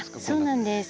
そうなんです。